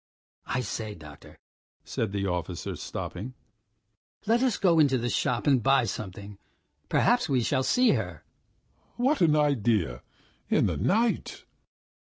"I say, doctor," said the officer, stopping. "Let us go into the shop and buy something. Perhaps we shall see her." "What an idea in the night!"